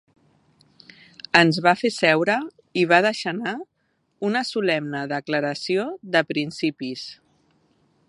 Ens va fer seure i va deixar anar una solemne declaració de principis.